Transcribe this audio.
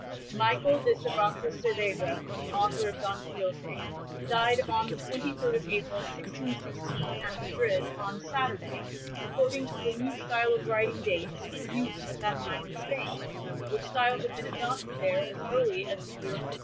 Michael de Cervantes Saavedra, the author of Don Quixote, died on the 23rd of April, 1616, at Madrid, on Saturday, according to the New Style of writing dates in use at that time in Spain, which style had been adopted there as early as the year 1582.